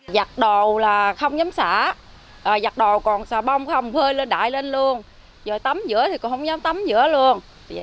giặt đồ là không dám xả đồ còn xà bông không hơi lên đại lên luôn rồi tắm giữa thì còn không dám tắm giữa luôn